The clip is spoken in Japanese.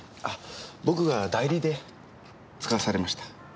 僕が代理で遣わされました。